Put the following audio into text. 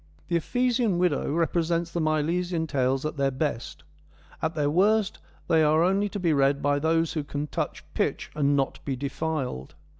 The Ephesian Widow represents the Milesian Tales at their best ; at their worst they are only to be read by those who can touch pitch and not be defiled.